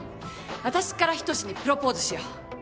私から仁にプロポーズしよう。